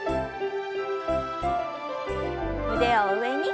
腕を上に。